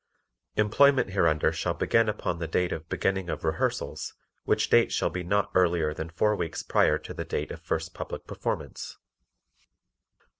Employment hereunder shall begin upon the date of beginning of rehearsals, which date shall be not earlier than four weeks prior to the date of first public performance.